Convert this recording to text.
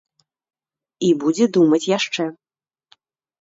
І будзе думаць яшчэ.